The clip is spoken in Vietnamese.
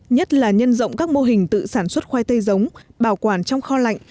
nhất là nhân rộng các mô hình tự sản xuất khoai tây giống bảo quản trong kho lạnh